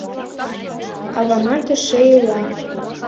Авамат эше ила.